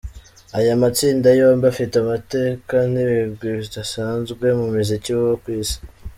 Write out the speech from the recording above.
Aya matsinda yombi, afite amateka n’ibigwi bidasanzwe mu muziki wo ku Isi.